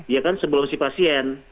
ya kan sebelum si pasien